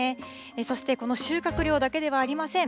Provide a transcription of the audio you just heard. そしてこの収穫量だけではありません。